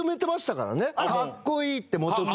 「かっこいい」って本木。